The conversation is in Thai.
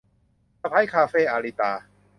สะใภ้คาเฟ่ - อาริตา